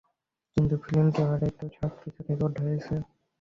কিন্তু ফিল্ম ক্যামেরায় তো সবকিছু রেকর্ড হয়েছে।